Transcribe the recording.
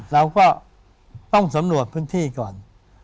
เราก็ต้องสำรวจพื้นที่ก่อน